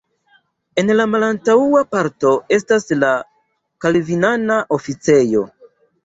En la malantaŭa parto estas la kalvinana oficejo.